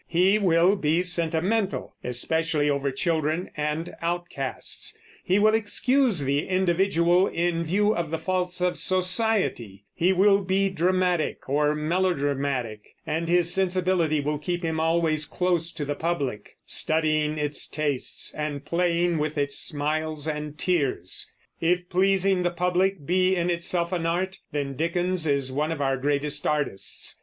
He will be sentimental, especially over children and outcasts; he will excuse the individual in view of the faults of society; he will be dramatic or melodramatic; and his sensibility will keep him always close to the public, studying its tastes and playing with its smiles and tears. If pleasing the public be in itself an art, then Dickens is one of our greatest artists.